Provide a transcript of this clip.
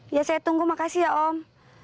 ya saya tunggu makasih ya om